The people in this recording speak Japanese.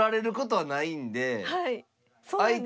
はい。